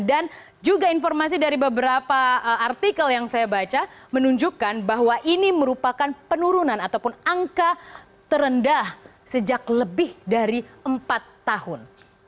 dan juga informasi dari beberapa artikel yang saya baca menunjukkan bahwa ini merupakan penurunan ataupun angka terendah sejak lebih dari empat tahun